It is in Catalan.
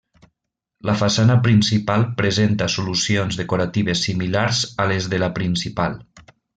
La façana principal presenta solucions decoratives similars a les de la principal.